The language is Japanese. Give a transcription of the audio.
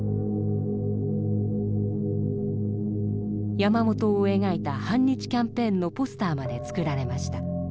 山本を描いた反日キャンペーンのポスターまで作られました。